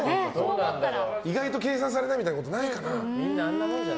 意外と計算されないみたいなことないかな。